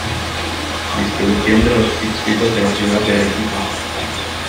Distribución de los distritos de la ciudad de Arequipa